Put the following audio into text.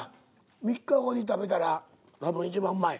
３日後に食べたら多分いちばんうまい。